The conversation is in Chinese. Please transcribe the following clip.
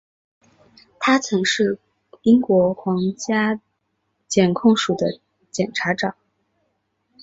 他曾是英国皇家检控署的检察长。